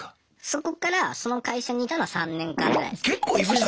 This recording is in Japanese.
そこからその会社にいたのは３年間ぐらいですね。